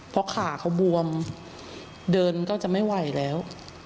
เพราะขาเขาบวมเดินก็จะไม่ไหวแล้ว